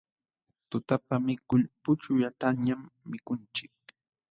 Tutapa mikul puchullatañam mikunchik.